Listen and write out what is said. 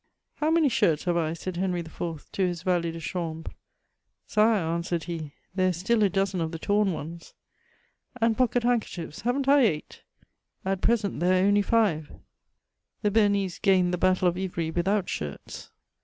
'^ How many shirts have I ?*' said Henry IV. to his valet de chambre,^^ ^ ^e/' answered he, '* there is still a dozen of the torn ones." ^' And pocket handkerchiefs ; haven't I eight?*' —*' At present there are only five." The Beamese gained the hattle of Ivry without shirts.